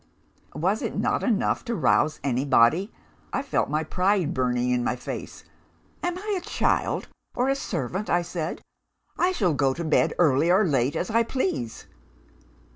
"Was it not enough to rouse anybody? I felt my pride burning in my face. 'Am I a child, or a servant?' I said. 'I shall go to bed early or late as I please.